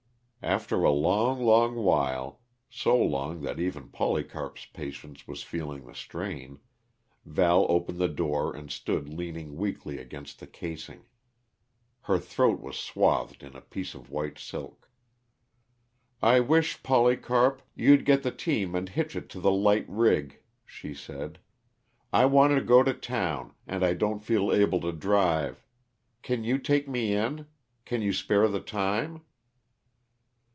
After a long, long while so long that even Polycarp's patience was feeling the strain Val opened the door and stood leaning weakly against the casing. Her throat was swathed in a piece of white silk. "I wish, Polycarp, you'd get the team and hitch it to the light rig," she said. "I want to go to town, and I don't feel able to drive. Can you take me in? Can you spare the time?"